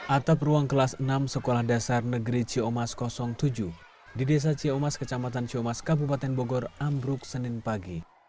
atap ruang kelas enam sekolah dasar negeri ciomas tujuh di desa ciomas kecamatan ciomas kabupaten bogor ambruk senin pagi